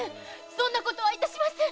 そんなことはいたしません！